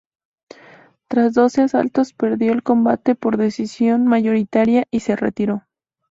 Tras doce asaltos perdió el combate por decisión mayoritaria y se retiró.